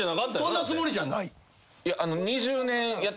そんなつもりじゃない。